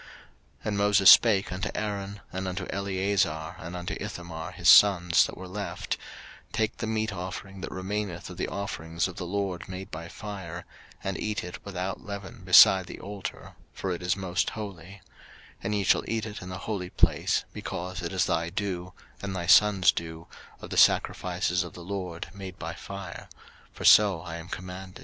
03:010:012 And Moses spake unto Aaron, and unto Eleazar and unto Ithamar, his sons that were left, Take the meat offering that remaineth of the offerings of the LORD made by fire, and eat it without leaven beside the altar: for it is most holy: 03:010:013 And ye shall eat it in the holy place, because it is thy due, and thy sons' due, of the sacrifices of the LORD made by fire: for so I am commanded.